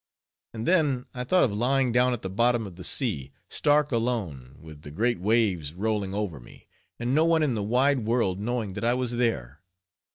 And then, I thought of lying down at the bottom of the sea, stark alone, with the great waves rolling over me, and no one in the wide world knowing that I was there.